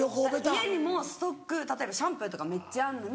家にもストック例えばシャンプーとかめっちゃあるのに。